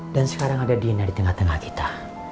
dan sekarang ada dina di tengah tengah kita